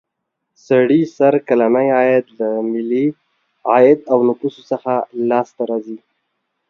سړي سر کلنی عاید له ملي عاید او نفوسو څخه لاس ته راځي.